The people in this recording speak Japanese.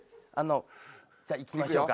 じゃあ行きましょう。